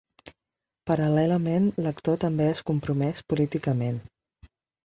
Paral·lelament, l'actor també és compromès políticament.